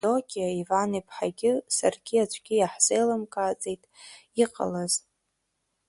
Евдокиа Иван-иԥҳагьы саргьы аӡәгьы иаҳзеилымкааӡеит иҟалаз…